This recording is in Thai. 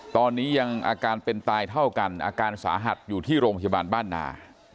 ตอนนี้ยังอาการเป็นตายเท่ากันอาการสาหัสอยู่ที่โรงพยาบาลบ้านนา